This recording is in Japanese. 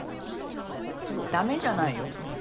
ダメじゃないよ。